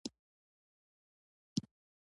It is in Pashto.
دوه کلي د جوزه او ملک پور وو.